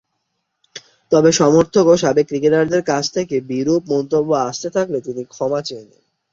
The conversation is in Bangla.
তবে, সমর্থক ও সাবেক ক্রিকেটারদের কাছ থেকে বিরূপ মন্তব্য আসতে থাকলে তিনি ক্ষমা চেয়ে নেন।